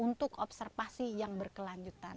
untuk observasi yang berkelanjutan